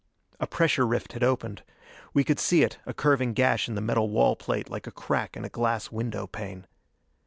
A pressure rift had opened. We could see it, a curving gash in the metal wall plate like a crack in a glass window pane.